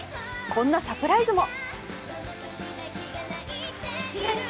こんなサプライズも。